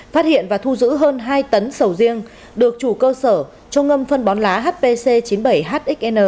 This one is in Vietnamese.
phát hiện và thu giữ hơn hai tấn sầu riêng được chủ cơ sở trung ngâm phân bón lá hpc chín mươi bảy hx